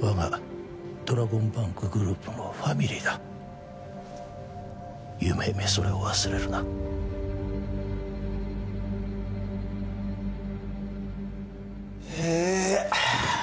我がドラゴンバンクグループのファミリーだ努々それを忘れるなああ